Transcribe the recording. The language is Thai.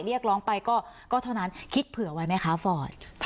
เรียกร้องไปก็เท่านั้นคิดเผื่อไว้ไหมคะฟอร์ด